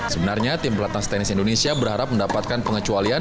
sebenarnya tim pelatnas tenis indonesia berharap mendapatkan pengecualian